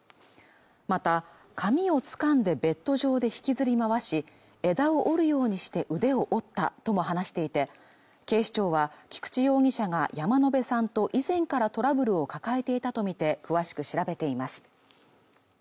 また髪をつかんでベッド上で引きずり回し枝を折るようにして腕を折ったとも話していて警視庁は菊池容疑者が山野辺さんと以前からトラブルを抱えていたと見て詳しく調べています